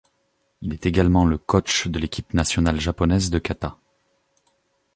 Il est également le coach de l'équipe nationale japonaise de kata.